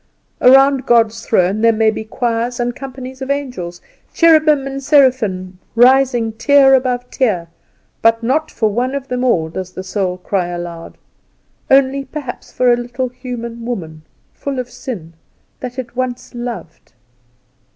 Around God's throne there may be choirs and companies of angels, cherubim and seraphim, rising tier above tier, but not for one of them all does the soul cry aloud. Only perhaps for a little human woman full of sin, that it once loved.